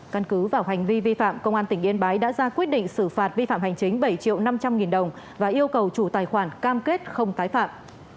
căn cứ vào hành vi vi phạm công an tỉnh yên bái đã ra quyết định xử phạt vi phạm hành chính bảy triệu năm trăm linh nghìn đồng và yêu cầu chủ tài khoản cam kết không tái phạm